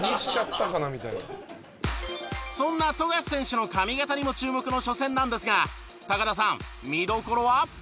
そんな富樫選手の髪型にも注目の初戦なんですが田さん見どころは？